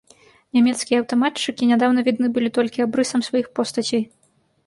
Нямецкія аўтаматчыкі нядаўна відны былі толькі абрысам сваіх постацей.